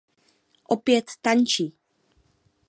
Opět tančí.